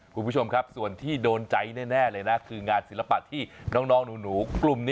คุณผู้ชมครับส่วนที่โดนใจแน่เลยนะคืองานศิลปะที่น้องหนูกลุ่มนี้